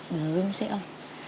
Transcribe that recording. belum sih om